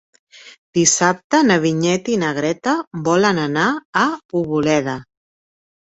Dissabte na Vinyet i na Greta volen anar a Poboleda.